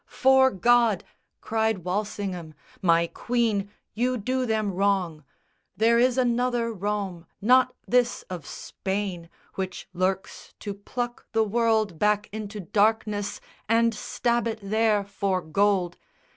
"'Fore God," Cried Walsingham, "my Queen, you do them wrong! There is another Rome not this of Spain Which lurks to pluck the world back into darkness And stab it there for gold.